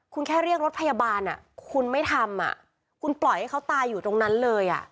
คุณแค่เรียกรถพยาบาลคุณไม่ทำคุณปล่อยให้เขาตายอยู่ตรงนั้นเลย